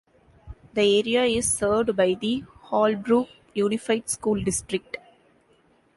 The area is served by the Holbrook Unified School District.